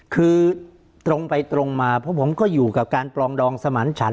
คือตรงไปตรงมาเพราะผมก็อยู่กับการปลองดองสมันฉัน